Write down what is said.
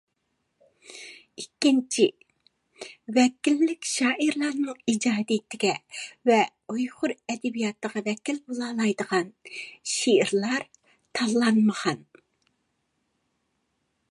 ئىككىنچى، ۋەكىللىك شائىرلارنىڭ ئىجادىيىتىگە ۋە ئۇيغۇر ئەدەبىياتىغا ۋەكىل بولالايدىغان شېئىرلار تاللانمىغان.